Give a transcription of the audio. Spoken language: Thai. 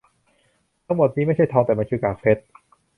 ทั้งหมดนี้ไม่ใช่ทองแต่มันคือกากเพชร